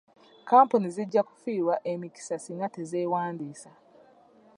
Kapuni zijja kufiirwa emikisa singa tezeewandisa.